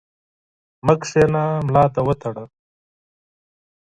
مه کښېنه ، ملا دي وتړه!